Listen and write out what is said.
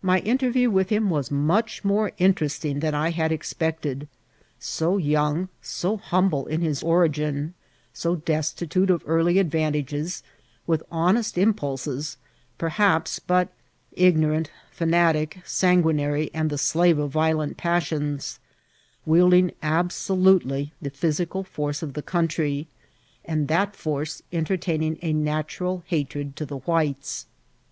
My interview with him was much more interesting than I had expected ; so young, so humble in his ori gin, so destitute of early advantages, with honest im^ pulses, perhaps, but ignorant, fanatic, sanguinary, and the slave of violent passions, wielding absolutely the physical force of the country, and that force entertain ing a natural hatred to the whites.